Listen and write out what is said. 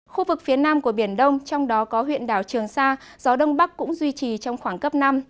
khu vực phía nam của biển đông trong đó có huyện đảo trường sa gió đông bắc cũng duy trì trong khoảng cấp năm